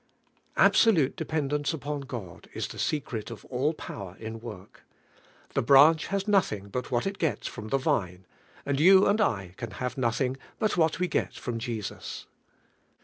Absolute dependence upon God is the secret of all power in work. The branch has nothing hut what it gels from (he vile', and you and 1 can have nothing Inil what we get from Jesus.